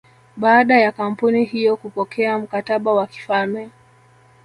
Baada ya kampuni hiyo kupokea mkataba wa kifalme